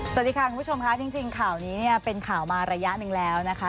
สวัสดีค่ะคุณผู้ชมค่ะจริงข่าวนี้เนี่ยเป็นข่าวมาระยะหนึ่งแล้วนะคะ